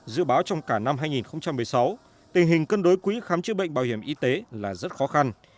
dự báo trong cả năm hai nghìn một mươi sáu tình hình cân đối quỹ khám chữa bệnh bảo hiểm y tế là rất khó khăn